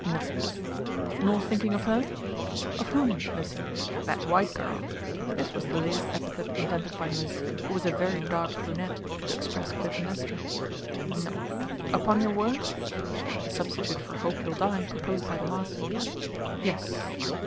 "No." "Nor thinking of her?" "Of whom, Lissy?" "That white girl." (This was the latest epithet invented by Mliss, who was a very dark brunette, to express Clytemnestra.) "No." "Upon your word?" (A substitute for "Hope you'll die!" proposed by the master.) "Yes."